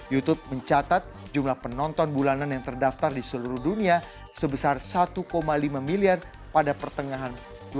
youtube mencatat jumlah penonton bulanan yang terdaftar di seluruh dunia sebesar satu lima miliar pada pertengahan dua ribu dua puluh